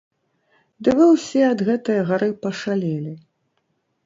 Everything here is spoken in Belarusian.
Ды вы ўсе ад гэтае гары пашалелі!